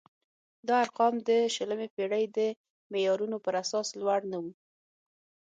دا ارقام د شلمې پېړۍ د معیارونو پر اساس لوړ نه وو.